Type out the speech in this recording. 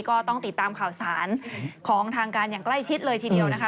ก็ต้องติดตามข่าวสารของทางการอย่างใกล้ชิดเลยทีเดียวนะคะ